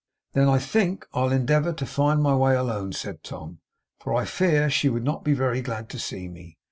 'Then, I think, I'll endeavour to find my way alone,' said Tom, 'for I fear she would not be very glad to see me.